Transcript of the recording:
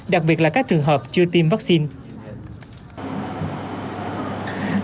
đặc biệt là các trường hợp chưa tiêm vaccine